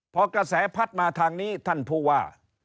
พอกระแสพัดมาทางนี้ท่านผู้ว่า